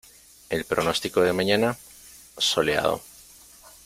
¿ El pronóstico de mañana? Soleado.